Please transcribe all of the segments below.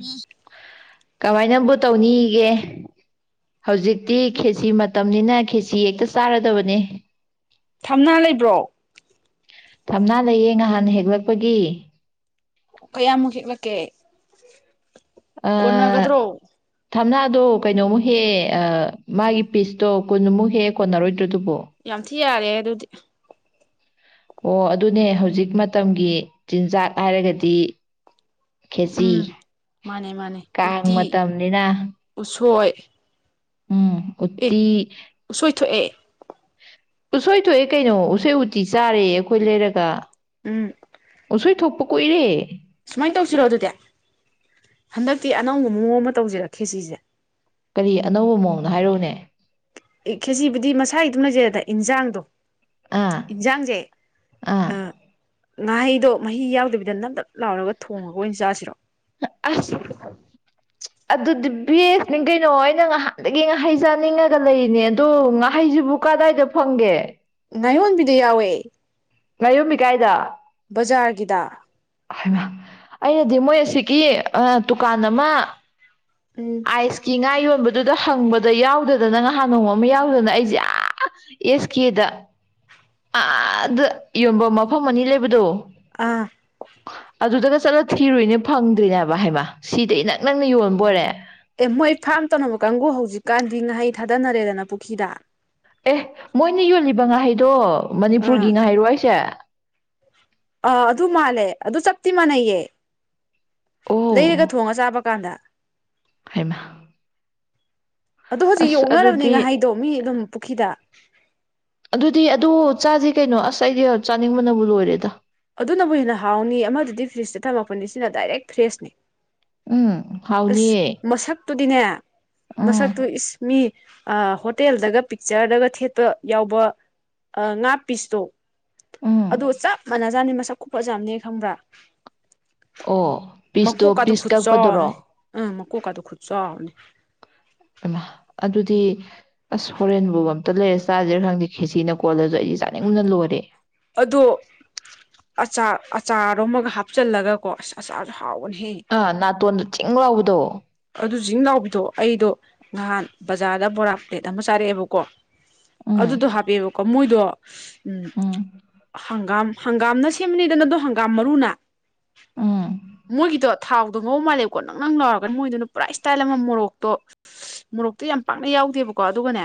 ꯋꯥ ꯀꯃꯥꯏꯅꯕꯨ ꯇꯧꯅꯤꯒꯦ ꯍꯧꯖꯤꯛꯇꯤ ꯈꯦꯁꯤ ꯃꯇꯝꯅꯤꯅ ꯈꯦꯁꯤ ꯍꯦꯛꯇ ꯆꯥꯔꯗꯕꯅꯤ ꯊꯝꯅꯥ ꯂꯩꯕ꯭ꯔꯣ ꯊꯝꯅꯥ ꯂꯩꯌꯦ ꯉꯍꯥꯟ ꯍꯦꯛꯂꯛꯄꯒꯤ ꯀꯌꯥꯃꯨꯛ ꯍꯤꯛꯂꯛꯀꯦ ꯑ ꯊꯝꯅ ꯗꯣ ꯀꯩꯅꯣꯃꯨꯛ ꯍꯦ ꯃꯥꯒꯤ ꯄꯤꯁꯇꯣ ꯀꯨꯟꯃꯨꯛ ꯍꯦ ꯀꯣꯟꯅꯔꯣꯏ ꯇꯔꯗꯨꯕꯣ ꯌꯥꯝ ꯌꯥꯔꯦ ꯑꯗꯨꯗꯤ ꯑꯣ ꯑꯗꯨꯅꯦ ꯍꯧꯖꯤꯛ ꯃꯇꯝꯒꯤ ꯆꯤꯟꯖꯥꯛ ꯍꯥꯏꯔꯒꯗꯤ ꯈꯦꯆꯤ ꯎꯝ ꯃꯥꯅꯦ ꯃꯥꯅꯦ ꯀꯥꯡ ꯎꯇꯤ ꯃꯇꯝꯅꯤꯅ [inaudible] ꯎꯝ ꯑꯦ ꯎꯠꯇꯤ ꯎꯁꯣꯏ ꯊꯣꯛꯑꯦ ꯎꯁꯣꯏ ꯊꯣꯛꯑꯦ ꯀꯩꯅꯣ ꯎꯁꯣꯏ ꯎꯇꯤ ꯆꯥꯔꯦ ꯑꯩꯈꯣꯏ ꯂꯩꯔꯒ ꯎꯝ ꯎꯁ‌ꯣꯏ ꯊꯣꯛꯄ ꯀꯨꯏꯔꯦ ꯁꯨꯃꯥꯏꯅ ꯇꯧꯁꯤꯔꯣ ꯑꯗꯨꯗꯤ ꯍꯟꯗꯛꯇꯤ ꯑꯅꯧꯕ ꯃꯑꯣꯡ ꯑꯃ ꯇꯧꯁꯤꯔ ꯈꯦꯆꯤꯁꯦ ꯀꯔꯤ ꯑꯅꯧꯕ ꯃꯑꯣꯡꯅꯣ ꯍꯥꯏꯔꯛꯎꯅꯦ ꯈꯦꯖꯤꯕꯨꯗꯤ ꯃꯁꯥꯒꯤ ꯑꯗꯨꯝ ꯂꯩꯖꯔ‌ꯦꯗꯅ ꯏꯟꯖꯥꯡꯗꯣ ꯑꯥ ꯏꯟꯖꯥꯡꯁꯦ ꯑꯥ ꯑ ꯉꯥꯍꯩꯗꯣ ꯃꯍꯤ ꯌꯥꯎꯗꯕꯤꯗ ꯅꯞꯅꯞ ꯂꯥꯎꯔꯒ ꯊꯣꯡꯉꯒ ꯑꯣꯏꯅ ꯆꯥꯁꯤꯔꯣ ꯑꯁ ꯑꯗꯨꯗꯤ ꯕ‌ꯦꯁꯅꯤ ꯀꯩꯅꯣ ꯑꯩꯅ ꯉꯍꯥꯟꯗꯒꯤ ꯉꯍꯩ ꯆꯥꯅꯤꯡꯉꯒ ꯂꯩꯔꯤꯅꯦ ꯑꯗꯣ ꯉꯍꯩꯁꯤꯕꯨ ꯀꯗꯥꯏꯗ ꯐꯪꯒꯦ ꯉꯥꯌꯣꯟꯕꯤꯗ ꯌꯥꯎꯋꯦ ꯉꯥꯌ‌ꯣꯟꯕꯤ ꯀꯥꯏꯗ ꯕꯖꯥꯔꯒꯤꯗ ꯍꯩꯃꯥ ꯑꯩꯅꯗꯤ ꯃꯣꯏ ꯑꯁꯤꯒꯤ ꯗꯨꯀꯥꯟ ꯑꯃ ꯎꯝ ꯑꯥꯏꯁꯀꯤ ꯌꯣꯟꯕꯗꯨꯗ ꯍꯪꯕꯗ ꯌꯥꯎꯗꯗꯅ ꯅꯍꯥꯟ ꯅꯣꯡꯃ ꯑꯃ ꯌꯥꯎꯗꯅ ꯑꯩꯁꯦ ꯑꯥ ꯑꯦꯁ ꯀꯦꯗ ꯑꯥꯗ ꯌꯣꯟꯕ ꯃꯐꯝ ꯑꯅꯤ ꯂꯩꯕꯗꯣ ꯑꯥ ꯑꯗꯨꯗꯒ ꯆꯠꯂ ꯊꯤꯔꯨꯏꯅꯦ ꯐꯪꯗꯔꯤꯅꯦ ꯍꯥꯏꯕ ꯍꯥꯏꯃ ꯁꯤꯗ ꯏꯅꯛ ꯅꯛꯅ ꯌꯣꯟꯕ‌ꯣꯏꯔꯦ ꯑꯦ ꯃꯣꯏ ꯐꯥꯔꯝ ꯇꯧꯅꯕ ꯀꯥꯡꯕꯨ ꯍꯧꯖꯤꯛꯀꯥꯟꯗꯤ ꯉꯍꯩ ꯊꯥꯗꯅꯔꯦꯗꯅ ꯄꯨꯈ꯭ꯔꯤꯗ ꯑꯦꯍ ꯃꯣꯏꯅ ꯌꯣꯜꯂꯤꯕ ꯉꯥꯍꯩꯗꯣ ꯑꯥ ꯃꯅꯤꯄꯨꯔꯒꯤ ꯉꯥꯏꯍꯩꯔꯣ ꯍꯥꯏꯁꯦ ꯑꯥ ꯑꯗꯨ ꯃꯥꯜꯂꯦ ꯑꯗꯨ ꯆꯞꯇꯤ ꯃꯥꯟꯅꯩꯌꯦ ꯂꯩꯔꯒ ꯊꯣꯡꯉ ꯆꯥꯕ ꯀꯥꯟꯗ ꯍꯥꯏꯃ ꯑꯗꯣ ꯍꯧꯖꯤꯛ ꯌꯣꯛꯅꯔꯕꯅꯦ ꯉꯥꯏꯍꯥꯏꯗꯣ ꯃꯤ ꯑꯗꯨꯝ ꯄꯨꯈ꯭ꯔꯤꯗ ꯑꯗꯨꯗꯤ ꯑꯗꯨ ꯆꯥꯁꯦ ꯀꯩꯅꯣ ꯑꯁ ꯑꯩꯗꯤ ꯆꯥꯅꯤꯡꯕꯅꯕꯨ ꯂꯣꯏꯔꯦꯗ ꯑꯗꯨꯅꯕꯨ ꯍꯦꯟꯅ ꯍꯥꯎꯅꯤ ꯑꯃꯗꯨꯗꯤ ꯐ꯭ꯔꯤꯖꯇ ꯊꯝꯃꯛꯄꯅꯤ ꯁꯤꯅ ꯗꯥꯏꯔꯦꯛ ꯐ꯭ꯔꯦꯁꯅꯤ ꯎꯝ ꯍꯥꯎꯅꯤꯌꯦ ꯇꯨꯗꯤꯅꯦ ꯎꯝ ꯃꯁꯛ ꯇꯨ ꯏꯁ ꯃꯤ ꯑ ꯍꯣꯇꯦꯜꯗꯒ ꯄꯤꯛꯆꯔꯗꯒ ꯊꯦꯠꯄ ꯌꯥꯎꯕ ꯉꯥ ꯄꯤꯁꯇꯣ ꯎꯝ ꯑꯗꯨꯒ ꯆꯞ ꯃꯥꯟꯅꯖꯥꯠꯅꯤ ꯃꯁꯛ ꯀꯨꯐꯖꯥ ꯑꯝꯅꯦ ꯈꯪꯕ꯭ꯔꯥ ꯑꯣ ꯄꯤꯁꯇꯣ ꯄꯤꯁ ꯀꯛꯄꯗꯨꯔꯣ ꯎꯝ ꯃꯀꯣꯛꯀꯗ‌ꯣ ꯈꯨꯆꯥꯎ ꯑꯝꯅꯤ ꯏꯃꯥ ꯑꯗꯨꯗꯤ ꯑꯁ ꯍꯣꯔꯦꯟꯕꯨ ꯑꯝꯇ ꯂꯩꯔ ꯆꯥꯁꯤꯔꯥ ꯈꯪꯗꯦ ꯈꯦꯁꯤꯅ ꯀꯣꯜꯂꯁꯨ ꯑꯩꯗꯤ ꯆꯥꯅꯤꯡꯕꯅ ꯂꯣꯏꯔꯦ ꯑꯗꯣ ꯑꯆꯥ ꯑꯆꯥꯔꯣꯃꯒ ꯍꯥꯞꯆꯜꯂꯒꯀꯣ ꯑꯁ ꯑꯆꯥꯔꯗꯣ ꯑꯥ ꯅꯥꯇꯣꯟꯗ ꯆꯤꯡ ꯂꯥꯎꯕꯗꯣ ꯖꯤꯡ ꯂꯥꯎꯕꯤꯗꯣ ꯑꯩꯗꯣ ꯅꯍꯥꯟ ꯕꯖꯥꯔꯗ ꯕꯣꯔꯥ ꯄ꯭ꯂꯦꯠ ꯑꯃ ꯆꯥꯔꯛꯑꯦꯕꯀꯣ ꯎꯝ ꯑꯗꯨꯗꯨ ꯍꯥꯄꯦꯕ ꯃꯣꯏꯗꯣ ꯎꯝ ꯍꯪꯒꯥꯝ ꯍꯪꯒꯥꯝꯅ ꯁꯦꯝꯕꯅꯤꯗꯅ ꯑꯗꯣ ꯍꯪꯒꯥꯝ ꯃꯔꯨꯅ ꯎꯝ ꯃꯣꯏꯒꯤꯗꯣ ꯊꯥꯎꯗꯣ ꯉꯧ ꯃꯥꯜꯂꯦꯕꯀꯣ ꯅꯪ ꯅꯪ ꯂꯥꯎꯔ ꯃꯣꯏꯗꯨꯅ ꯄꯨꯔꯥ ꯏꯁꯇꯥꯏꯜ ꯑꯃ ꯃꯣꯔꯣꯛꯇꯣ ꯃꯣꯔꯣꯛꯇꯣ ꯌꯥꯝ ꯄꯥꯛꯅ ꯌꯥꯎꯗꯦꯕꯀꯣ ꯑꯗꯨꯒꯅꯦ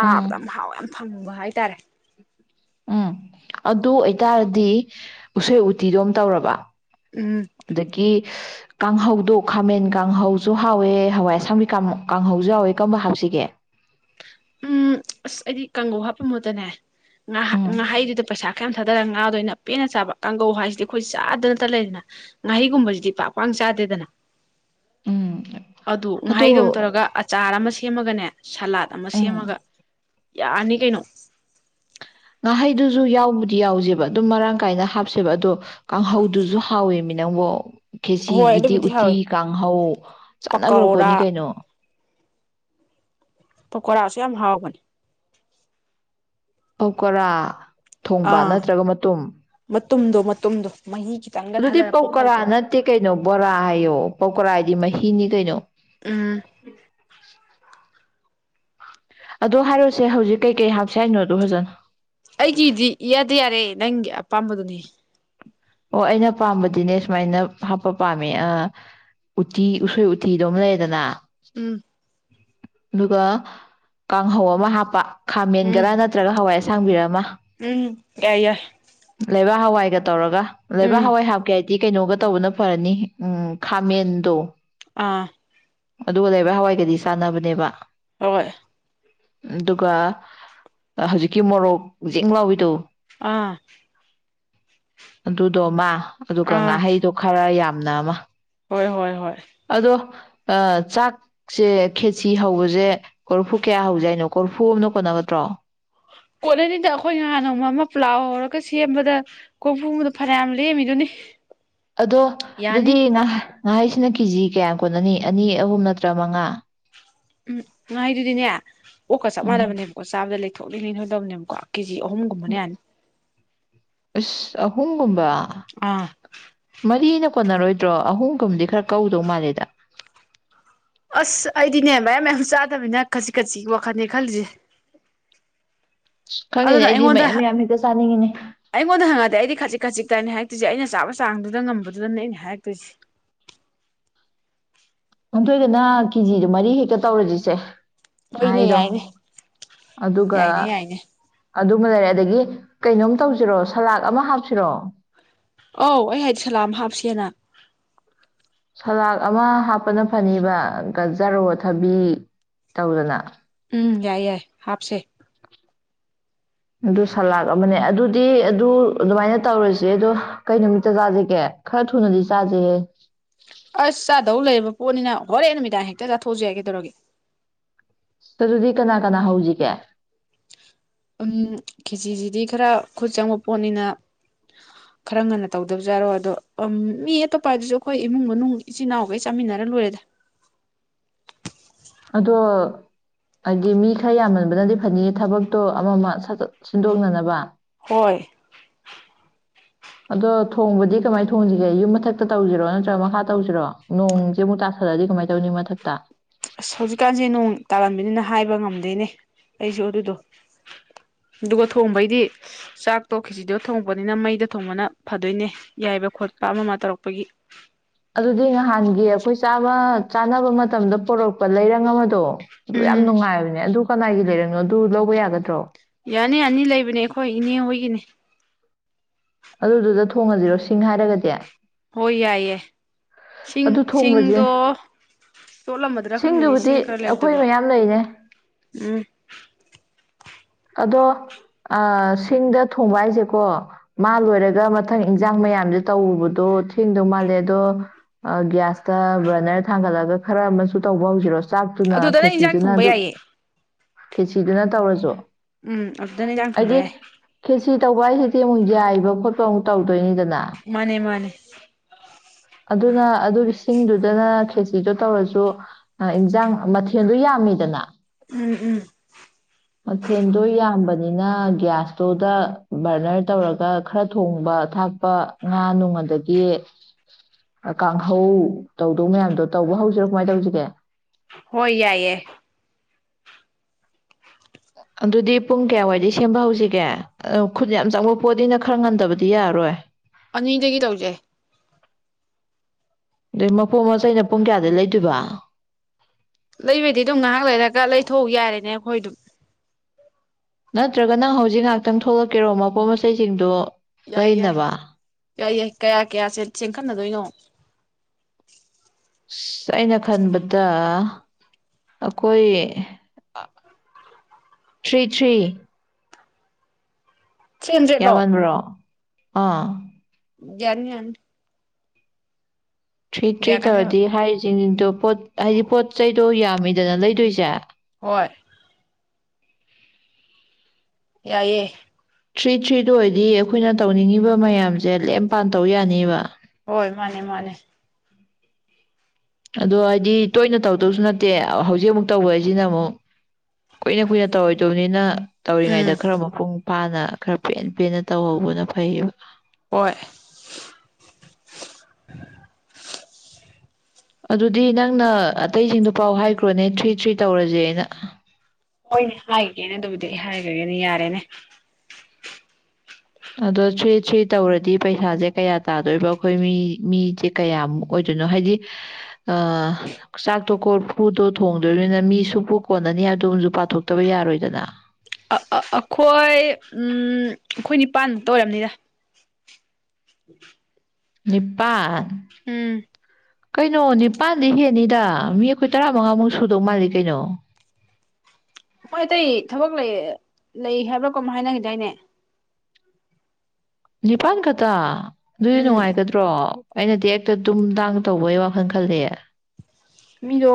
ꯎꯝ ꯌꯥꯝ ꯍꯥꯎꯋꯦ ꯐꯪꯕ ꯍꯥꯏꯇꯥꯔꯦ ꯎꯝ ꯑꯗꯨ ꯑꯣꯏꯇꯥꯔꯗꯤ ꯎꯁꯦꯏ ꯎꯇꯤꯗꯨꯝ ꯇꯧꯔꯕ ꯎꯝ ꯑꯗꯒꯤ ꯀꯥꯡꯍꯧꯗꯣ ꯈꯥꯃꯦꯟ ꯀꯥꯡꯍꯧꯁꯨ ꯍꯥꯎꯋꯦ ꯍꯋꯥꯏ ꯑꯁꯪꯕꯤ ꯀꯥꯡꯍꯧꯁꯨ ꯍꯥꯎꯋꯦ ꯀꯝꯕ ꯍꯥꯞꯁꯤꯒꯦ ꯎꯝ ꯑꯁ ꯑꯩꯗꯤ ꯀꯥꯡꯒꯧ ꯍꯥꯞꯄ ꯃꯍꯨꯠꯇꯅꯦ ꯉꯍ ꯎꯝ ꯉꯥꯍꯩꯗꯨꯗ ꯄꯩꯁꯥ ꯈꯌꯥꯝ ꯊꯥꯗꯔ ꯉꯥꯗ ꯑꯣꯏꯅ ꯄꯦꯟꯅ ꯆꯥꯕ ꯀꯥꯡꯒꯧ ꯍꯥꯏꯁꯤꯗꯤ ꯑꯈꯣꯏ ꯆꯥꯗꯅꯠꯇ ꯂꯩꯗꯅ ꯉꯥꯍꯩꯒꯨꯝꯕꯁꯤꯗꯤ ꯄꯥꯛ ꯄꯥꯛ ꯆꯥꯗꯦꯗꯅ ꯎꯝ ꯑꯗꯨ ꯑꯗꯣ ꯉꯥꯏꯍꯩꯗꯣꯝ ꯇꯧꯔꯒ ꯑꯆꯥꯔ ꯑꯃ ꯁꯦꯝꯃꯒꯅꯦ ꯁꯥ ꯑꯃ ꯎꯝ ꯁꯦꯝꯃꯒ ꯌꯥꯔꯅꯤ ꯀꯩꯅꯣ ꯉꯥꯍꯩꯗꯨꯁꯨ ꯌꯥꯎꯕꯨꯗꯤ ꯌꯥꯎꯖꯦꯕ ꯑꯗꯨꯝ ꯃꯔꯥꯡ ꯀꯥꯏꯅ ꯍꯥꯞꯁꯦꯕ ꯑꯗꯣ ꯀꯥꯡꯍꯧꯗꯨꯁꯨ ꯍꯥꯎꯋꯦ ꯃꯤ ꯅꯪꯕꯣ ꯍꯣꯏ ꯈꯦꯆꯤꯒꯤꯗꯤ ꯑꯗꯨꯕꯨꯗꯤ ꯎꯇꯤ ꯍꯥꯎꯋꯤ ꯀꯥꯡꯍꯧ ꯆꯥꯟꯅꯒ꯭ꯔꯕ ꯄꯣꯠꯅꯤ ꯄꯀꯧꯔꯥ ꯀꯩꯅꯣ ꯄꯀꯣꯔꯥꯁꯨ ꯌꯥꯝ ꯍꯥꯎꯕꯅꯤ ꯄꯀꯣꯔꯥ ꯊꯣꯡꯕ ꯅꯠꯇ꯭ꯔꯒ ꯃꯇꯨꯝ ꯃꯇꯨꯝꯗꯣ ꯃꯇꯨꯝꯗꯣ ꯃꯍꯤ ꯈꯤꯇꯪꯒ ꯑꯗꯨꯗꯤ ꯊꯥꯗꯔ ꯄꯣꯞꯐꯜ ꯄꯧꯀꯣꯔꯥ ꯇꯧ ꯅꯠꯇꯦ ꯀꯩꯅꯣ ꯕꯣꯔꯥ ꯍꯥꯏꯌꯣ ꯄꯧꯀꯣꯔꯥ ꯍꯥꯏ ꯃꯍꯤꯅꯤ ꯀꯩꯅꯣ ꯎꯝ [unintelligible] ꯎꯝ ꯑꯗꯣ ꯍꯥꯏꯔꯣꯁꯦ ꯍꯧꯖꯤꯛ ꯀꯩꯀꯩ ꯍꯥꯞꯁꯦ ꯍꯥꯏꯅꯣꯗꯣ ꯐꯖꯟꯅ ꯑꯩꯒꯤꯗꯤ ꯏꯌꯥꯗ ꯌꯥꯔꯦ ꯅꯪꯒꯤ ꯑꯄꯥꯝꯕꯗꯨꯅꯤ ꯑꯣ ꯑꯩꯅ ꯄꯥꯝꯕꯗꯤꯅꯦ ꯁꯨꯃꯥꯏꯅ ꯍꯥꯞꯄ ꯄꯥꯝꯃꯦ ꯑ ꯎꯇꯤ ꯎꯁꯣꯏ ꯎꯇꯤꯗꯨꯃ ꯂꯩꯔꯦꯗꯅ ꯎꯝ ꯑꯗꯨꯒ ꯀꯥꯡꯍꯧ ꯑꯃ ꯍꯥꯞꯄ ꯎꯝ ꯈꯥꯃꯦꯟꯒꯔꯥ ꯅꯠꯇ꯭ꯔꯒ ꯍꯋꯥꯏ ꯁꯥꯡꯕꯤꯔꯝꯃ ꯎꯝ ꯌꯥꯏ ꯌꯥꯏ ꯁꯤꯒ ꯇꯧꯔꯒ ꯂ ꯂꯩꯕ ꯎꯝ ꯍꯋꯥꯋ ꯍꯥꯎ ꯀꯦ ꯗꯤ ꯀꯩꯅꯣꯒ ꯇꯧꯕꯅ ꯐꯔꯅꯤ ꯎꯝ ꯈꯥꯃꯦꯟꯗꯣ ꯑ ꯑꯗꯨꯒ ꯂꯩꯔ ꯍꯋꯥꯏꯒꯗꯤ ꯁꯥꯟꯅꯕꯅꯦ ꯅꯦꯕ ꯍꯣꯏ ꯑꯗꯨꯒ ꯍꯧꯖꯤꯛꯀꯤ ꯃꯣꯔꯣꯛ ꯤꯡ ꯂꯥꯎꯏꯗꯣ ꯑꯥ ꯑꯗꯨꯗꯣ ꯃꯥ ꯑꯗꯨꯒ ꯑꯥ ꯉꯥꯍꯩꯗꯣ ꯈꯔ ꯌꯥꯝ ꯅꯥꯃ ꯍꯣꯏ ꯍꯣꯏ ꯍꯣꯏ ꯆꯥꯛꯁꯦ ꯈꯦꯁꯤ ꯍꯧꯕꯁꯦ ꯀꯣꯔꯐꯨ ꯀꯌꯥ ꯍꯧꯖ ꯍꯥꯏꯅꯣ ꯀꯣꯔꯐꯨ ꯑꯅ ꯀꯣꯟꯠꯅꯒꯗ꯭ꯔꯣ ꯀꯣꯠꯅꯅꯤꯗ ꯑꯩꯈꯣꯏ ꯅꯍꯥꯟ ꯅꯣꯡꯃ ꯑꯃ ꯄꯨꯂꯥꯎ ꯍꯧꯔꯒ ꯁꯦꯝꯕꯗ ꯀꯣꯏꯐꯨꯗ ꯐꯅꯌꯥꯝ ꯂꯦꯝꯃꯤꯗꯨꯅꯤ ꯑꯗꯣ ꯌꯥꯅꯤ ꯑꯗꯨꯗꯤ ꯅꯍ ꯉꯍꯥꯁꯤꯅ ꯀꯦꯖꯤ ꯀꯌꯥꯝ ꯀꯣꯠꯅꯅꯤ ꯑꯅꯤ ꯑꯍꯨꯝ ꯅꯠꯇ꯭ꯔ ꯃꯉꯥ ꯎꯝ ꯉꯩꯗꯨꯗꯤꯅꯦ ꯑꯣꯀ ꯁ ꯎꯝ ꯃꯥꯅꯅꯦꯣ ꯁꯥꯕ ꯂꯩ ꯊꯣꯛꯂꯤꯅꯤ ꯊꯣꯏꯗꯕꯅꯦꯕꯀꯣ ꯀꯦꯖꯤ ꯑꯍꯨꯝꯒꯨꯝꯕꯅꯦ ꯍꯥꯏꯅ ꯑꯁ ꯑꯍꯨꯝ ꯀꯕ ꯑꯥ ꯃꯔꯤꯅ ꯀꯣꯟꯅꯔꯣꯏꯗ꯭ꯔꯣ ꯑꯍꯨꯝꯒꯨꯝꯗꯤ ꯈꯔ ꯀꯧꯗꯧ ꯃꯥꯜꯂꯦꯗ ꯑꯁ ꯑꯩꯗꯤꯅꯦ ꯃꯌꯥꯝ ꯃꯌꯥꯝꯁꯨ ꯆꯥꯗꯕꯅꯤꯅ ꯈꯖꯤꯛ ꯈꯖꯤꯛ ꯋꯥꯈꯜꯅꯦ ꯈꯜꯂꯤꯁꯦ ꯑꯁ ꯈꯪꯗꯦꯅꯦ ꯑꯗꯨꯅ ꯑꯩꯗꯤ ꯑꯩꯉꯣꯟꯗ ꯃꯌꯥꯝ ꯃꯌꯥꯝ ꯍꯦꯛꯇ ꯆꯥꯅꯤꯡꯉꯤꯅꯦ ꯑꯩꯉꯣꯟꯗ ꯍꯪꯉꯗꯦ ꯑꯩꯗꯤ ꯈꯥꯖꯤꯤꯛ ꯈꯥꯖꯤꯤꯛꯇꯥꯏꯅꯤ ꯍꯥꯏ ꯑꯗꯨꯁꯦ ꯑꯩꯅ ꯆꯥꯕ ꯆꯥꯡꯗꯨꯗ ꯉꯝꯕꯗꯨꯗꯅꯦ ꯑꯩꯅ ꯍꯥꯏꯔꯛꯇꯣꯏꯁꯦ ꯌꯥꯝꯊꯣꯏꯗꯅ ꯀꯦꯖꯤꯗ ꯃꯔꯤ ꯍꯦꯛꯇ ꯇꯧꯔꯁꯤꯁꯦ ꯍꯣꯏꯅꯦ ꯑꯗꯣ ꯌꯥꯏꯅꯦ ꯑꯗꯨꯒꯒ ꯌꯥꯏꯅꯦ ꯌꯥꯏꯅꯦ ꯑꯗꯨ ꯂꯩꯔꯦ ꯑꯗꯒꯤ ꯀꯩꯅꯣꯝ ꯇꯧꯁꯤꯔꯣ ꯁꯂꯥꯗ ꯑꯃ ꯍꯥꯞꯁꯤꯔꯣ ꯑꯧ ꯑꯩ ꯍꯥꯏꯗꯤ ꯁꯂꯥꯝ ꯍꯥꯞꯁꯦꯅ ꯁꯂꯥꯗ ꯑꯃ ꯍꯥꯞꯄꯅ ꯐꯅꯤꯕ ꯒꯖꯔꯣ ꯊꯕꯤ ꯇꯧꯗꯅ ꯎꯝ ꯌꯥꯏ ꯌꯥꯏ ꯍꯥꯁꯦ ꯑꯗꯨ ꯁꯂꯥꯗ ꯑꯃꯅꯦ ꯑꯗꯨꯗꯤ ꯑꯗꯨ ꯑꯗꯨꯃꯥꯏꯅ ꯇꯧꯔꯁꯦ ꯑꯗꯣ ꯀꯩ ꯅꯨꯃꯤꯠꯇ ꯆꯥꯁꯤꯒꯦ ꯈꯔ ꯊꯨꯅꯗꯤ ꯆꯥꯖꯩꯌꯦꯦ ꯑꯁ ꯆꯥꯗꯧ ꯂꯩꯔꯕ ꯄꯣꯠꯅꯤꯅ ꯍꯣꯔꯦꯟ ꯅꯨꯃꯤꯗꯥꯡ ꯍꯦꯛꯇ ꯆꯥꯊꯣꯛꯁꯨ ꯌꯥꯏ ꯀꯩꯗꯧꯔꯒꯦ ꯑꯗꯨꯗꯤ ꯀꯅꯥ ꯀꯅꯥ ꯍꯧꯁꯤꯒꯦ ꯎꯝ ꯀꯦꯖꯤꯁꯤꯗꯤ ꯈꯔ ꯈꯨꯠ ꯆꯪꯕ ꯄꯣꯠꯅꯤꯅ ꯈꯔ ꯉꯟꯅ ꯇꯧꯗꯕꯖ ꯌꯥꯔꯣ ꯑꯗꯣ ꯃꯤ ꯑꯇꯣꯞꯄ ꯍꯥꯏꯗꯨꯁꯨ ꯑꯩꯈꯣꯏ ꯏꯃꯨꯡ ꯃꯅꯨꯡ ꯏꯆꯤꯜ ꯏꯅꯥꯎꯈꯩ ꯆꯥꯃꯤꯟꯅꯔ ꯂꯣꯏꯔꯗꯤ ꯑꯗꯣ ꯍꯥꯏꯗꯤ ꯃꯤ ꯈꯔ ꯌꯥꯝꯃꯟꯕꯅꯗꯤ ꯐꯅꯤꯌꯦ ꯊꯕꯛꯇꯣ ꯑꯃ ꯑꯃ ꯁꯤꯟꯗꯣꯛꯅꯅꯕ ꯍꯣꯏ ꯑꯗꯣ ꯊꯣꯡꯕꯗꯤ ꯀꯃꯥꯏꯅ ꯊꯣꯡꯁꯤꯒꯦ ꯌꯨꯝ ꯃꯊꯛꯇ ꯇꯧꯁꯤꯔꯣ ꯅꯠꯇ꯭ꯔꯒ ꯃꯈꯥ ꯇꯧꯁꯤꯔꯣ ꯅꯣꯡꯁꯦ ꯑꯃꯨꯛ ꯇꯥꯊꯂꯛꯑꯗꯤ ꯀꯃꯥꯏꯅ ꯇꯧꯅꯤ ꯃꯊꯛꯇ ꯑꯁ ꯍꯧꯖꯤꯛꯀꯥꯟꯁꯦ ꯅꯣꯡ ꯇꯥꯔꯟꯕꯅꯤꯅ ꯍꯥꯏꯕ ꯉꯝꯗꯣꯏꯅꯦ ꯑꯩꯁꯨ ꯑꯗꯨꯗꯣ ꯑꯗꯨꯒ ꯊꯣꯡꯕꯩꯗꯤ ꯆꯥꯛꯇꯣ ꯈꯤꯖꯤꯗꯣ ꯊꯣꯡꯉꯛꯄꯅꯤꯅ ꯃꯩꯗ ꯊꯣꯡꯕꯅ ꯐꯗꯣꯏꯅꯦ ꯌꯥꯏꯕ ꯈꯣꯠꯄ ꯑꯃ ꯑꯃ ꯇꯧꯔꯛꯄꯒꯤ ꯑꯗꯨꯗꯤ ꯅꯍꯥꯟꯒꯤ ꯑꯩꯈꯣꯏꯥ ꯆꯥꯅꯕ ꯃꯇꯝꯗ ꯄꯣꯔꯛꯄ ꯂꯩꯔꯪ ꯑꯃꯗꯣ ꯑꯗꯨ ꯌꯥꯝ ꯎꯝ ꯅꯨꯡꯉꯥꯏꯕꯅꯦ ꯑꯗꯨ ꯀꯅꯥꯏꯒꯤ ꯂꯩꯔꯅꯣ ꯑꯗꯨ ꯂꯧꯕ ꯌꯥꯒꯗ꯭ꯔꯣ ꯌꯥꯅꯤ ꯌꯥꯅꯤ ꯂꯩꯕꯅꯦ ꯑꯩꯈꯣꯏ ꯏꯅꯦ ꯍꯣꯏꯒꯤꯅꯦ ꯑꯗꯨꯗꯨꯗ ꯊꯣꯡꯉꯁꯤꯔꯣ ꯁꯤꯡ ꯍꯥꯏꯔꯒꯗꯤ ꯍꯣꯏ ꯌꯥꯏꯌꯦꯦ ꯁꯤꯡ ꯑꯗꯨ ꯊꯣꯡꯕꯁꯦ ꯁꯤꯡꯗꯣ ꯆꯣꯠꯂꯝꯃꯗ꯭ꯔꯥ ꯈꯪꯕꯅꯤ ꯁꯤꯡꯗꯨꯕꯨꯗꯤ ꯁꯤꯡ ꯈꯔ ꯑꯩꯈꯣꯏ ꯂꯩꯕꯗꯕ ꯃꯌꯥꯝ ꯂꯩꯅꯦ ꯎꯝ ꯑꯗꯣ ꯁꯤꯡꯗ ꯊꯣꯡꯕ ꯍꯥꯏꯁꯦꯀꯣ ꯃꯥ ꯂꯣꯏꯔꯒ ꯃꯊꯪ ꯏꯟꯖꯥꯡ ꯃꯌꯥꯝꯁꯦ ꯇꯧꯔꯨꯕꯗꯣ ꯊꯦꯡꯗꯧ ꯃꯥꯜꯂꯦ ꯑꯗꯣ ꯒ꯭ꯌꯥꯁꯇ ꯕ꯭ꯔꯔꯅꯔ ꯊꯥꯡꯒꯠꯂꯒ ꯈꯔ ꯑꯃꯁꯨ ꯇꯧꯕ ꯍꯧꯁꯤꯔꯣ ꯆꯥꯛꯇꯨꯅ ꯑꯗꯨꯗ ꯅꯪ ꯏꯟꯁꯥꯡ ꯊꯣꯡꯕ ꯌꯥꯏꯌꯦ ꯀꯦꯆꯗꯨꯅ ꯇꯧꯔꯁꯨ ꯎꯝ ꯑꯗꯨꯗꯅꯦꯗꯥꯡ ꯊꯨꯝꯕ ꯑꯩꯗꯤ ꯌꯥꯏ ꯈꯦꯆꯤ ꯇꯧꯕ ꯍꯥꯏꯁꯤꯗꯤ ꯑꯃꯨꯛ ꯌꯥꯏꯕ ꯈꯣꯠꯄ ꯑꯃꯨꯛ ꯇꯧꯗꯣꯏꯅꯤꯗꯅ ꯃꯥꯅꯦ ꯃꯥꯅꯦ [unintelligible] ꯑꯗꯨꯅ ꯑꯗꯨꯒꯤ ꯏꯁꯤꯡꯗꯨꯗꯅ ꯈꯦꯆꯗꯣ ꯇꯧꯔꯁꯨ ꯏꯟꯖꯥꯡ ꯃꯊꯦꯜꯗꯣ ꯌꯥꯝꯃꯤꯗꯅ ꯎꯝ ꯎꯝ ꯃꯊꯦꯜꯗꯣ ꯌꯥꯝꯕꯅꯤꯅ ꯒ꯭ꯌꯥꯁ ꯏꯁꯇꯣꯞꯗ ꯕꯔꯅꯔ ꯇꯧꯔꯒ ꯈꯔ ꯊꯣꯡꯕ ꯊꯥꯛꯄ ꯉꯥ ꯅꯨꯡ ꯑꯗꯒꯤ ꯀꯥꯡꯍꯧ ꯇꯧꯗꯧ ꯃꯌꯥꯝꯗꯣ ꯇꯧꯕ ꯍꯧꯁꯤꯔꯣ ꯀꯃꯥꯏꯅ ꯇꯧꯁꯤꯒꯦ ꯍꯣꯏ ꯌꯥꯏ ꯌꯥꯏ ꯑꯗꯨꯗꯤ ꯄꯨꯡ ꯀꯌꯥꯋꯥꯏꯗ ꯁꯦꯝꯕ ꯍꯧꯁꯤꯒꯦ ꯈꯨꯠ ꯌꯥꯝ ꯆꯪꯕ ꯄꯣꯠꯗꯤꯅ ꯈꯔ ꯉꯟꯗꯕꯗꯤ ꯌꯥꯔꯔꯣꯏ ꯑꯅꯤꯗꯒꯤ ꯇꯧꯖꯩ ꯑꯩ ꯃꯣ ꯑꯁ ꯑꯩꯅ ꯄꯨꯡ ꯀꯌꯥꯗꯩ ꯂꯩꯇꯣꯏꯕ ꯂꯩꯕꯩꯗꯤ ꯑꯗꯨꯝ ꯉꯥꯏꯍꯥꯛ ꯂꯩꯔꯒ ꯂꯩꯊꯣꯛꯎ ꯌꯥꯔꯦꯅꯦ ꯑꯩꯈꯣꯏ ꯑꯗꯨꯝ ꯅꯠꯇ꯭ꯔꯒ ꯅꯪ ꯍꯧꯖꯤꯛ ꯉꯥꯏꯍꯥꯛꯇꯪ ꯊꯣꯛꯂꯛꯀꯦꯔꯣ ꯃꯄꯣꯠ ꯃꯆꯩꯁꯤꯡꯗꯣ ꯀ ꯌꯥꯏ ꯌꯥꯏ ꯅꯕ ꯌꯥꯏ ꯌꯥꯏ ꯀꯌꯥ ꯀꯌꯥꯦ ꯆꯦꯡꯈꯠꯅꯗꯣꯏꯅꯣ ꯑꯁ ꯑꯩꯅ ꯈꯟꯕꯗ ꯑꯩꯈꯣꯏ ꯊ꯭ꯔꯤ ꯊ꯭ꯔꯤ ꯊ꯭ꯔꯤ ꯍꯟꯗ꯭ꯔꯦꯠꯂꯣ ꯌꯥꯝꯃꯟꯥꯟꯕ꯭ꯔꯣ ꯑꯥ ꯌꯥꯅꯤ ꯌꯥꯅꯤ ꯊ꯭ꯔꯤ ꯊ꯭ꯔꯤ ꯌꯥꯒꯅꯦꯕ ꯇꯧꯔꯗꯤ ꯍꯥꯏ ꯆꯤꯡꯗꯣ ꯄꯣꯠ ꯍꯥꯏꯗꯤ ꯄꯣꯠ ꯆꯩꯗꯣ ꯌꯥꯝꯃꯤꯗꯅ ꯂꯩꯗꯣꯏꯁꯦ ꯍꯣꯏ ꯌꯥꯏꯑꯌꯦꯦ ꯊ꯭ꯔꯤ-ꯊ꯭ꯔꯤꯗ ꯑꯣꯏꯗꯤ ꯑꯩꯈꯣꯏꯅ ꯇꯧꯅꯤꯡꯉꯤꯕ ꯃꯌꯥꯝꯖꯦ ꯂꯦꯝꯄꯥꯟ ꯇꯧ ꯌꯥꯅꯤꯕꯥ ꯍꯣꯏ ꯃꯥꯅꯦ ꯃꯥꯅꯦ ꯑꯗꯣ ꯍꯥꯏꯗꯤ ꯇꯣꯏꯅ ꯇꯧꯗꯧꯁꯨ ꯅꯠꯇꯦ ꯍꯧꯖꯤꯛ ꯑꯃꯨꯛ ꯇꯧꯕ ꯍꯥꯏꯁꯤꯅ ꯑꯃꯨꯛ ꯀꯨꯏꯅ ꯀꯨꯏꯅ ꯇꯧꯔꯣꯏꯗꯕꯅꯤꯅ ꯎꯝ ꯇꯧꯔꯤꯉꯩꯗ ꯈꯔ ꯃꯄꯨꯡ ꯄꯥꯅ ꯈꯔ ꯄꯦꯟ-ꯄꯦꯟꯅ ꯇꯧꯍꯧꯕꯅ ꯐꯩꯕ ꯍꯣꯏ [unintelligible] ꯑꯗꯨꯗꯤ ꯅꯪꯅ ꯑꯇꯩꯁꯤꯡꯗꯣ ꯄꯥꯎ ꯍꯥꯏꯈ꯭ꯔꯣꯅꯦ ꯊ꯭ꯔꯤ- ꯊ꯭ꯔꯤ ꯇꯧꯔꯖꯦꯅ ꯍꯣꯏꯅꯦ ꯍꯥꯏꯒꯦꯅ ꯑꯗꯨꯕꯨꯗꯤ ꯑꯩ ꯍꯥꯏꯈ꯭ꯔꯒꯦꯅꯦ ꯌꯥꯔꯦꯅꯦ ꯑꯗꯣ ꯊ꯭ꯔꯤ ꯊ꯭ꯔꯤ ꯇꯧꯔꯗꯤ ꯄꯩꯁꯥꯖꯦ ꯀꯌꯥ ꯇꯥꯗꯣꯏꯕ ꯑꯩꯈꯣꯏ ꯃꯤ ꯃꯤꯖꯦ ꯀꯌꯥꯃꯨꯛ ꯑꯣꯏꯗꯣꯏꯅꯣ ꯍꯥꯏꯗꯤ ꯆꯥꯛꯇꯣ ꯀꯣꯜ ꯐꯨꯔꯗꯣ ꯊꯣꯡꯗꯣꯅꯤꯅ ꯃꯤ ꯁꯨꯛ ꯀꯣꯟꯅꯅꯤ ꯍꯥꯏꯕꯗꯨꯝꯖꯨ ꯄꯥꯊꯣꯛꯇꯕ ꯌꯥꯔꯣꯏꯗꯅ ꯑ ꯑ ꯑꯈꯣꯏ ꯎꯝ ꯑꯩꯈꯣꯏ ꯅꯤꯄꯥꯥꯟꯃꯨꯛꯇ ꯑꯣꯏꯔꯝꯅꯤꯗ [unintelligible] ꯅꯤꯄꯥꯥꯟ ꯎꯝ ꯀꯩꯅꯣ ꯅꯤꯄꯥꯜꯗꯤ ꯍꯦꯟꯅꯤꯗ ꯃꯤ ꯑꯩꯈꯣꯏ ꯇꯔꯥꯃꯉꯥꯃꯨꯛ ꯁꯨꯗꯧ ꯃꯥꯜꯂꯤ ꯀꯩꯅꯣ ꯍꯣꯏ ꯑꯇꯩ ꯊꯕꯛ ꯂꯩ ꯂꯩ ꯍꯥꯏꯕ꯭ꯔꯥ ꯀꯝ ꯍꯥꯏꯅꯒꯤꯗꯏꯅꯦ ꯅꯤꯄꯥꯥꯟ ꯈꯇ ꯑꯗꯨꯗꯤ ꯎꯝ ꯅꯨꯡꯉꯥꯏꯒꯗ꯭ꯔꯣ ꯑꯩꯅꯗꯤ ꯍꯦꯛꯇ ꯗꯨꯝ ꯗꯥꯡ ꯇꯧꯕꯩ ꯋꯥꯈꯜ ꯈꯜꯂꯤ ꯃꯤꯗꯣ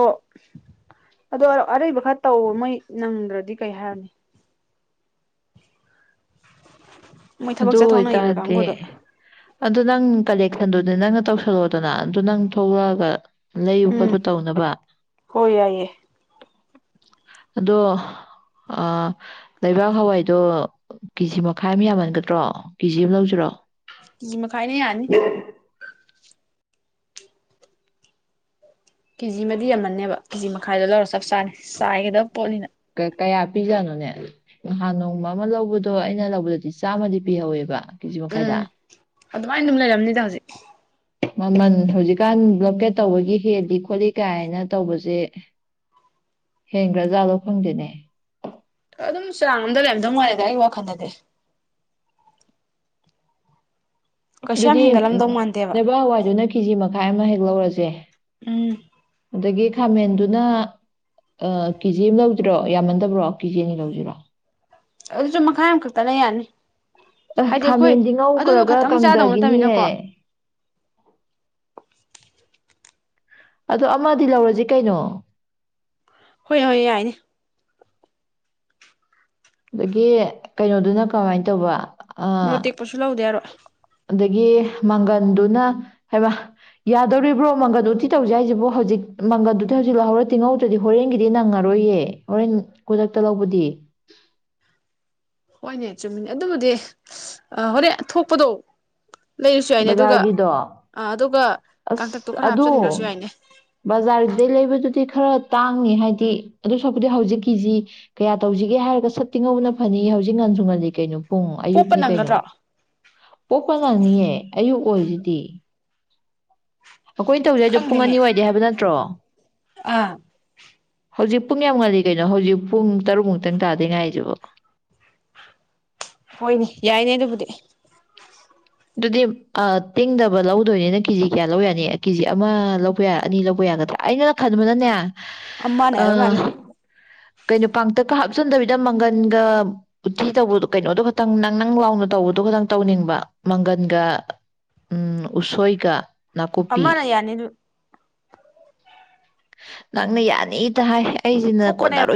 ꯑꯗꯣ ꯑꯔꯩꯕ ꯈꯔ ꯇꯧ ꯃꯣꯏ ꯅꯪꯗ꯭ꯔꯗꯤ ꯀꯩ ꯍꯥꯏꯔꯨꯅꯤ ꯃꯣꯏ ꯊꯕꯛ ꯑꯗꯨ ꯆꯠꯊꯣꯛꯅꯩꯕ ꯑꯣꯏꯇꯥꯔꯗꯤ ꯀꯥꯡꯒꯨꯗ ꯑꯗꯨ ꯅꯪ ꯀꯂꯦꯛꯁꯟꯗꯨꯅꯦ ꯅꯪꯅ ꯇꯧꯁꯜꯂꫭꯗꯅ ꯑꯗꯨ ꯅꯪ ꯊꯣꯛꯂꯛꯑꯒ ꯂꯩꯕ ꯎꯝ ꯈꯣꯠꯄ ꯇꯧꯅꯕ ꯍꯣꯏ ꯌꯥꯏꯌꯦ ꯑꯗꯣ ꯑꯥ ꯂꯩꯕꯥꯛ ꯍꯋꯥꯏꯗꯣ ꯀꯦꯖꯤ ꯃꯈꯥꯏ ꯑꯃ ꯌꯥꯝꯃꯟꯒꯗ ꯇ꯭ꯔꯣ ꯀꯦꯖꯤ ꯑꯃ ꯂꯧꯖꯤꯔꯣ ꯀꯤꯖꯤꯃꯈꯥꯏꯅ ꯌꯥꯅꯤ ꯀꯦꯖꯤꯃꯗꯤ ꯌꯥꯝꯃꯟꯅꯦꯕ ꯀꯦꯖꯤ ꯃꯈꯥꯏꯗꯣ ꯂꯧꯔ ꯆꯞ ꯆꯥꯅꯤ ꯆꯥꯏꯒꯗꯕ ꯄꯣꯠꯅꯤꯅ ꯀꯌꯥ ꯄꯤꯖꯥꯅꯣꯅꯦ ꯅꯍꯥꯟ ꯅꯣꯡꯃ ꯑꯃ ꯂꯧꯕꯗꯣ ꯑꯩꯅ ꯂꯧꯕꯗꯗꯤ ꯆꯥꯝꯃꯗꯤ ꯄꯤꯍꯧꯋꯦꯕ ꯀꯦꯖꯤ ꯎꯝ ꯃꯈꯥꯏꯗ ꯑꯗꯨꯃꯥꯏꯅ ꯑꯗꯨꯝ ꯂꯩꯔꯝꯅꯤꯗ ꯍꯧꯖꯤꯛ ꯃꯃꯜ ꯍꯧꯖꯤꯛꯀꯥꯟ ꯕ꯭ꯂꯣꯀꯦꯠ ꯇꯧꯕꯒꯤ ꯍꯦꯜꯂꯤ ꯈꯣꯠꯂꯤ ꯀꯥꯏꯅ ꯇꯧꯕꯖꯦ ꯍꯦꯟꯒ꯭ꯔꯖꯥꯠ ꯂꫭ ꯈꯪꯗꯦꯅꯦ ꯑꯗꯨꯝ ꯆꯥꯡ ꯑꯝꯗ ꯂꯩꯔꯝꯗꯧꯃꯥꯜꯂꯤꯗ ꯑꯩ ꯋꯥꯈꯟꯗꯗꯤ ꯀꯩꯁꯨ ꯌꯥꯝ ꯑꯗꯨꯗꯤ ꯍꯦꯟꯒꯠꯂꯝꯗꯧ ꯃꯥꯟꯗꯦꯕ ꯂꯩꯕꯥꯛ ꯍꯋꯥꯏꯗꯨꯅ ꯀꯦꯖꯤ ꯃꯈꯥꯏ ꯑꯃ ꯂꯧꯔꯖꯦ ꯎꯝ ꯑꯗꯒꯤ ꯈꯥꯃꯦꯟꯗꯨꯅ ꯀꯦꯖꯤ ꯑꯃ ꯂꯧꯖꯤꯔꯣ ꯌꯥꯝꯃꯟꯗꯕ꯭ꯔꯣ ꯀꯦꯖꯤ ꯑꯅꯤ ꯂꯧꯁꯖꯤꯔꯣ ꯑꯗꯨꯁꯨ ꯃꯈꯥꯏ ꯑꯝ ꯈꯛꯇꯅ ꯌꯥꯅꯤ ꯑ ꯍꯥꯏꯗꯤ ꯑꯩꯈꯣꯏ ꯈꯥꯃꯦꯟꯗꯤ ꯑꯗꯨꯗꯣ ꯉꯧꯈ꯭ꯔꯒ ꯈꯇꯪ ꯆꯥꯗꯧ ꯀꯪꯗꯒꯤꯅꯤꯌꯦ ꯅꯠꯇꯕꯅꯤꯅꯀꯣ ꯑꯗꯣ ꯑꯃꯗꯤ ꯂꯧꯔꯖꯤ ꯀꯩꯅꯣ ꯍꯣꯏ ꯍꯣꯏ ꯌꯥꯏꯅꯦ ꯑꯗꯒꯤ ꯀꯩꯅꯣꯗꯨꯅ ꯀꯃꯥꯏ ꯇꯧꯕ ꯑ ꯃꯣꯔꯣꯛ ꯇꯦꯛꯄꯁꯨ ꯂꯧꯗ ꯌꯥꯔꯣꯏ꯫ ꯑꯗꯒꯤ ꯃꯪꯒꯟꯗꯨꯅ ꯍꯥꯏꯕ ꯌꯥꯗꯧꯔꯤꯕ꯭ꯔꯣ ꯃꯪꯒꯟꯗꯨ ꯎꯇꯤ ꯇꯧꯖꯦ ꯍꯥꯏꯖꯤꯕꯣ ꯍꯧꯖꯤꯛ ꯃꯪꯒꯜꯗꯨꯗꯤ ꯍꯧꯖꯤꯛ ꯂꯧꯍꯧꯔ ꯇꯤꯡꯍꯧꯗ꯭ꯔꯗꯤ ꯍꯣꯔꯦꯟꯒꯤꯗꯤ ꯅꯪꯉꯔꯣꯏꯌꯦ ꯍꯣꯔꯦꯟ ꯈꯨꯗꯛꯇ ꯂꯧꯕꯗꯤ꯫ ꯍꯣꯏꯅꯦ ꯆꯨꯝꯃꯤꯅꯦ ꯑꯗꯨꯕꯨꯗꯤ ꯍꯣꯔꯦꯟ ꯊꯣꯛꯄꯗꯣ ꯂꯩꯔꯁꯨ ꯌꯥꯏꯅꯦ ꯑꯗꯨꯒ ꯕꯖꯥꯔꯒꯤꯗꯣ ꯑꯗꯨꯒ ꯀꯥꯡꯇꯛꯇꯣ ꯑꯁ ꯈꯔ ꯑꯗꯨ ꯍꯥꯞꯆꯤꯟꯈ꯭ꯔꯁꯨ ꯌꯥꯏꯅꯦ ꯕꯖꯥꯔꯒꯤꯗꯩ ꯂꯩꯕꯗꯨꯗꯤ ꯈꯔ ꯇꯥꯡꯅꯦ ꯍꯥꯏꯗꯤ ꯑꯗꯨ ꯁꯔꯨꯛꯄꯨꯗꯤ ꯍꯧꯖꯤꯛ ꯀꯤꯖꯤ ꯀꯌꯥ ꯇꯧꯖꯤꯒꯦ ꯍꯥꯏꯔꯒ ꯁꯠꯇꯤꯡ ꯉꯧꯕꯅ ꯐꯅꯤꯌꯦ ꯍꯧꯖꯤꯛ ꯉꯟꯖꯨ ꯉꯜꯂꯤ ꯀꯩꯅꯣ꯫ ꯄꯨꯡ ꯄꯣꯛꯄ ꯑꯌꯨꯛꯅꯤ ꯀꯩꯅꯣ ꯅꯪꯒꯗ꯭ꯔꯣ ꯄꯣꯞꯄ ꯉꯥꯝꯅꯤꯌꯦ꯫ ꯀꯣꯏꯖꯤꯗꯤ ꯑꯩꯈꯣꯏ ꯇꯧꯗꯣꯏꯗꯣ ꯄꯨꯡ ꯈꯪꯗꯦꯅꯦ ꯑꯅꯤ ꯋꯥꯏꯗꯩ ꯍꯥꯏꯕ ꯅꯠꯇ꯭ꯔꯣ꯫ ꯑꯥ ꯍꯧꯖꯤꯛ ꯄꯨꯡ ꯌꯥꯝꯉꯜꯂꯤ ꯀꯩꯅꯣ ꯍꯧꯖꯤꯛ ꯄꯨꯡ ꯇꯔꯨꯛ ꯃꯨꯛꯇꯪ ꯇꯥꯗ ꯉꯥꯏꯖꯤꯕꯣ꯫ ꯍꯣꯏꯅꯦ ꯌꯥꯏꯅꯦ ꯑꯗꯨꯕꯨꯗꯤ꯫ ꯗꯨꯗꯤ ꯑ ꯇꯤꯡꯗꯕ ꯂꯧꯗꯣꯏꯅꯤꯅ ꯀꯦꯖꯤ ꯀꯌꯥ ꯂꯧꯌꯥꯅꯤ ꯀꯦꯖꯤ ꯑꯃ ꯂꯧꯕ ꯌꯥ ꯑꯅꯤ ꯂꯧꯕ ꯌꯥꯒꯗ꯭ꯔꯣ ꯑꯩꯅ ꯈꯟꯕꯅꯅꯦ꯫ ꯑꯃꯅꯦ ꯍꯥꯏ ꯃꯥꯜꯂꯦ꯫ ꯀꯩꯅꯣ ꯄꯥꯡꯇꯛꯀ ꯍꯥꯞꯆꯟꯗꯣꯏꯗ ꯃꯪꯒꯟꯒ ꯎꯠꯇꯤ ꯇꯧꯕꯗꯣ ꯀꯩꯅꯣꯗꯣ ꯈꯛꯇꯪ ꯅꯪ ꯅꯪ ꯂꯥꯎꯅ ꯇꯧꯕꯗꯣ ꯈꯇꯪ ꯇꯧꯅꯤꯡꯕ꯫ ꯃꯪꯒꯟꯒ ꯎꯝ ꯎꯁꯣꯏꯒ꯫ ꯅꯥꯀꯨꯞꯄꯤ ꯑꯃꯅ ꯌꯥꯅꯤꯗꯨ꯫ ꯅꯪꯅ ꯌꯥꯅꯤꯇ ꯍꯥꯏ꯫ ꯑꯩꯖꯤꯅ ꯊꯣꯛꯄꯅ ꯀꯣꯅꯥꯥꯔꯣꯏ